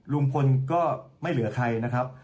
ลุงพลก็ไม่เหลือใครนะครับ